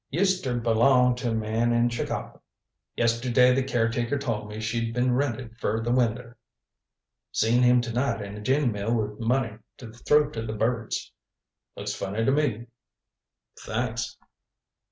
Used ter belong to a man in Chicago. Yesterday the caretaker told me she'd been rented fer the winter. Seen him to night in a gin mill with money to throw to the birds. Looks funny to me." "Thanks."